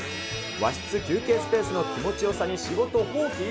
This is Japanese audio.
和室休憩スペースの気持ちよさに仕事放棄？